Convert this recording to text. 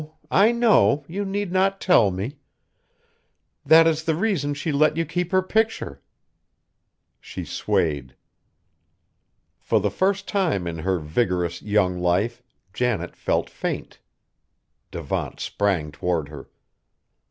I know! You need not tell me. That is the reason she let you keep her picture!" She swayed. For the first time in her vigorous, young life Janet felt faint. Devant sprang toward her.